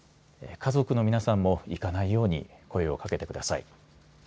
家族の皆さんも行かないように声をかけてください。